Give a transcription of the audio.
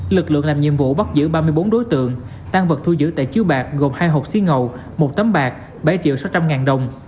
lực lượng làm nhiệm vụ bắt giữ ba mươi bốn đối tượng tan vật thu giữ tại chiếu bạc gồm hai hộp xí ngầu một tấm bạc bảy triệu sáu trăm linh ngàn đồng